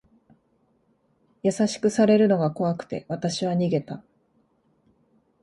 優しくされるのが怖くて、わたしは逃げた。